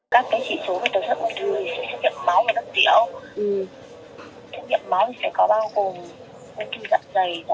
xét nghiệm máu thì sẽ có bao gồm ung thư dạng dày dạng tràng sát thật kỵ